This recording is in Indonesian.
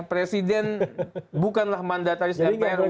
presiden bukanlah mandataris mpr